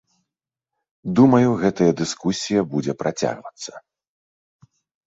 Думаю, гэта дыскусія будзе працягвацца.